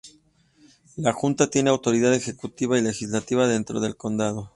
La junta tiene autoridad ejecutiva y legislativa dentro del condado.